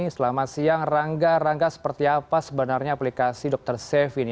selama siang rangga rangga seperti apa sebenarnya aplikasi dokter saif ini